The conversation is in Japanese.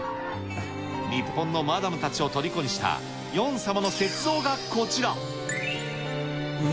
日本のマダムたちをとりこにしたヨン様の雪像がこちら。